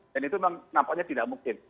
dan itu memang nampaknya tidak mungkin